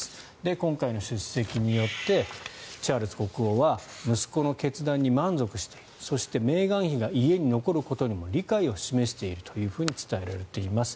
今回の出席によってチャールズ国王は息子の決断に満足しているそしてメーガン妃が家に残ることにも理解を示していると伝えられています。